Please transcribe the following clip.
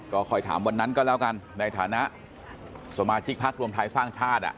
ก็ค่อยถามวันนั้นก็แล้วกันในฐานะสมาชิกพักรวมไทยสร้างชาติ